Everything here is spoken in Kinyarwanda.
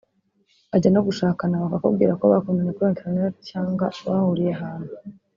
bajya no gushakana bakakubwira ko bakundaniye kuri ‘internet’ cyangwa bahuriye ahantu